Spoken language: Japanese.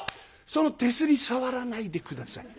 その手すり触らないで下さい。